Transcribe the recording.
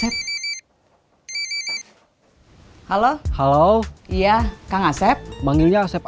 tahu dari mana dia suara asep